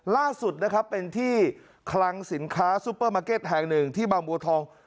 ล่าสุดนะครับเป็นที่คลังสินค้าซูเปอร์มาร์เก็ตแห่งหนึ่งที่บางบัวทอง